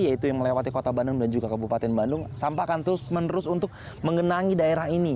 yaitu yang melewati kota bandung dan juga kabupaten bandung sampah akan terus menerus untuk mengenangi daerah ini